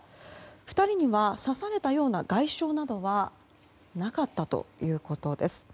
２人には、刺されたような外傷などはなかったということです。